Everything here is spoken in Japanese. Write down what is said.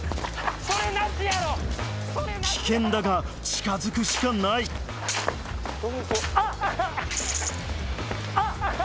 危険だが近づくしかないあっ外した。